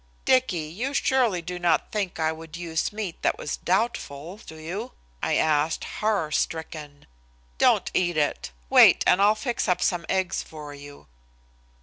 "Dicky, you surely do not think I would use meat that was doubtful, do you?" I asked, horror stricken. "Don't eat it. Wait and I'll fix up some eggs for you."